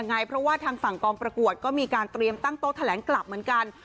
เพราะว่าทางฝั่งกองประกวดก็มีการเตรียมตั้งโต๊ะแถลงกลับเหมือนกัน